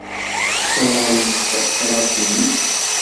Tessawaleḍ talatinit?